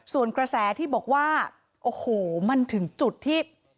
ส่วนกระแสที่บอกว่าโอ้โหมันถึงจุดที่